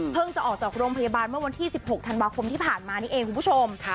จะออกจากโรงพยาบาลเมื่อวันที่๑๖ธันวาคมที่ผ่านมานี่เองคุณผู้ชม